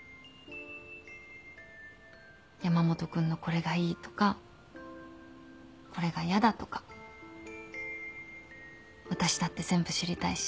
山本君のこれがいいとかこれがやだとか私だって全部知りたいし。